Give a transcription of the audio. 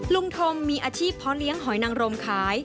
ทมมีอาชีพเพาะเลี้ยงหอยนังรมขาย